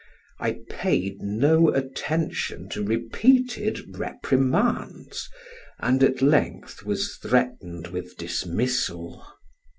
I paid no attention to repeated reprimands, and at length was threatened with dismissal.